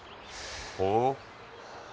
ほう。